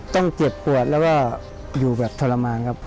ต้องเจ็บปวดแล้วก็อยู่แบบทรมานครับ